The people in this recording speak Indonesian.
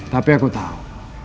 tapi aku tahu